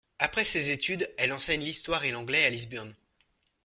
Après ses études, elle enseigne l'histoire et l'anglais à Lisburn.